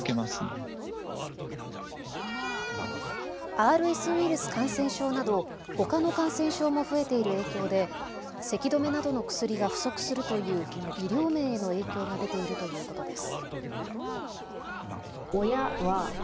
ＲＳウイルス感染症などほかの感染症も増えている影響でせき止めなどの薬が不足するという医療面への影響が出ているということです。